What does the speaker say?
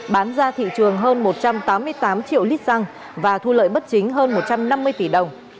bán ra thị trường hơn một trăm tám mươi tám triệu lít xăng và thu lợi bất chính hơn một trăm năm mươi tỷ đồng